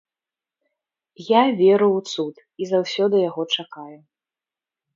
Я веру ў цуд і заўсёды яго чакаю.